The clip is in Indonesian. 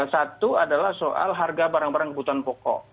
satu adalah soal harga barang barang kebutuhan pokok